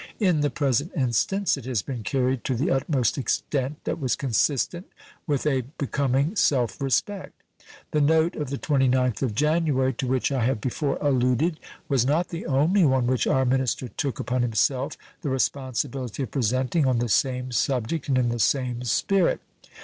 In the present instance it has been carried to the utmost extent that was consistent with a becoming self respect. The note of the 29th of January, to which I have before alluded, was not the only one which our minister took upon himself the responsibility of presenting on the same subject and in the same spirit.